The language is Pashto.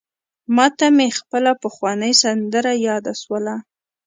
ماته مي خپله پخوانۍ سندره یاده سوله: